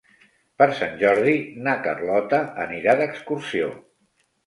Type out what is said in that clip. Per Sant Jordi na Carlota anirà d'excursió.